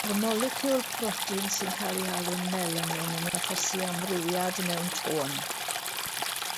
Mae'r moleciwl protein sy'n cael ei alw yn melanin yn achosi amrywiad mewn tôn.